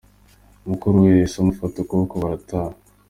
Mukuru we yahise amufata akaboko barataha.